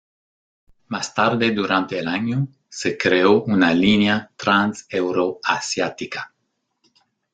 Más tarde durante el año, se creó una línea trans-euroasiática.